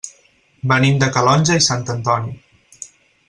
Venim de Calonge i Sant Antoni.